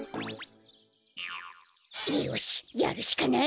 よしやるしかない！